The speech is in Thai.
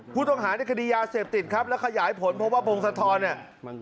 ผู้ต้องหาในคดียาเสพติดครับแล้วขยายผลเพราะว่าพงศธรเนี่ย